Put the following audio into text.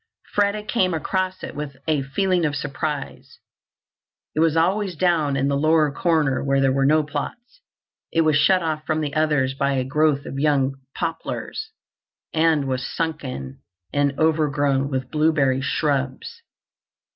Freda came across it with a feeling of surprise. It was away down in the lower corner where there were no plots. It was shut off from the others by a growth of young poplars and was sunken and overgrown with blueberry shrubs.